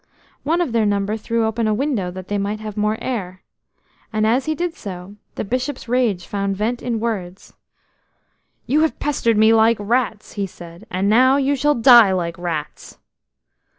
One of their number threw open a window that they might have more air, and, as he did so, the Bishop's rage found vent in words. "You have pestered me like rats," he said, "and now you shall die like rats."